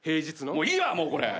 もういいわもうこれ。